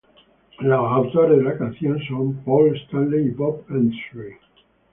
Los autores de la canción son Paul Stanley y Bob Ezrin.